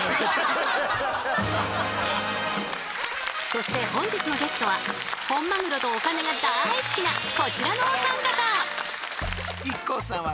そして本日のゲストは本マグロとお金が大好きなこちらのお三方。